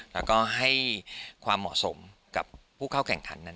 แล้วก็ให้ความเหมาะสมกับผู้เข้าแข่งขันนั้น